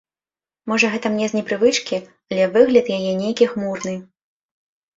Можа гэта мне з непрывычкі, але выгляд яе нейкі хмурны.